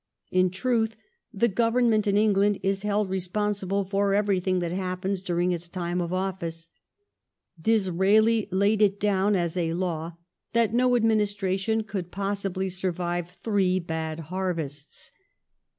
In truth, the Government in England is held responsible for everything that happens during its time of office. Disraeli laid it down as a law that no administration could possibly survive three bad harvests.